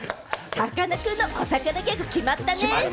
さかなクンのお魚ギャグ、決まったね！